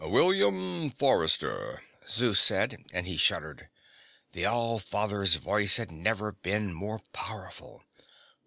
"William Forrester," Zeus said, and he shuddered. The All Father's voice had never been more powerful.